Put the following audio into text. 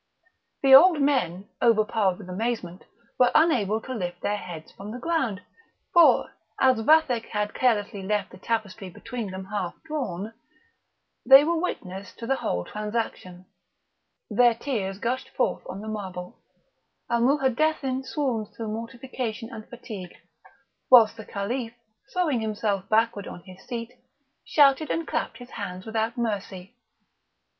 The old men, overpowered with amazement, were unable to lift their beards from the ground; for, as Vathek had carelessly left the tapestry between them half drawn, they were witnesses to the whole transaction; their tears gushed forth on the marble; Al Mouhadethin swooned through mortification and fatigue; whilst the Caliph, throwing himself backward on his seat, shouted and clapped his hands without mercy.